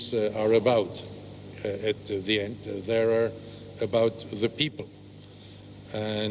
pertanyaan terakhir berkaitan dengan orang